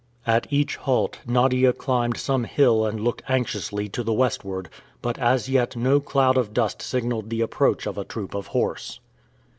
At each halt, Nadia climbed some hill and looked anxiously to the Westward, but as yet no cloud of dust had signaled the approach of a troop of horse.